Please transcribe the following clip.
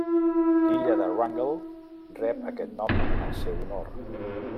L'illa de Wrangel rep aquest nom en el seu honor.